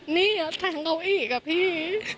นี้จะนั่งเขาอีกอะพี่